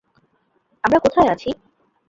আমরা কোথায় আছি?